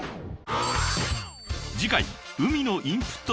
［次回ＵＭＩのインプット